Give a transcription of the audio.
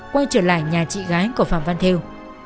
quay trở lại nhà chị gái của phạm văn theo